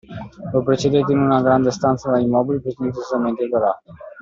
Lo precedette in una grande stanza dai mobili pretenziosamente dorati.